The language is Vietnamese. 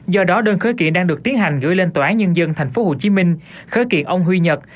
do đó đơn khởi kiện đang được tiến hành gửi lên tòa án nhân dân tp hcm khởi kiện ông huy nhật